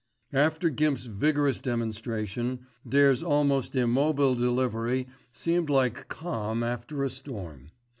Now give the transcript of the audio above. After Gimp's vigorous demonstration, Dare's almost immobile delivery seemed like calm after a storm.